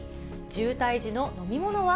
渋滞時の飲み物は？